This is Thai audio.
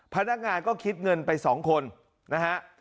พนักงานก็คิดเงินไป๒คนนะฮะ